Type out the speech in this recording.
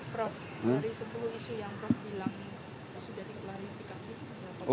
prof dari sepuluh isu yang prof bilang sudah diklarifikasi berapa